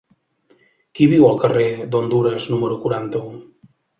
Qui viu al carrer d'Hondures número quaranta-u?